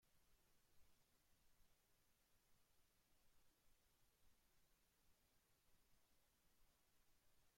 No constituían una casta en el sentido hinduista usual.